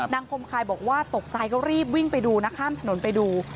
คมคายบอกว่าตกใจก็รีบวิ่งไปดูนะข้ามถนนไปดู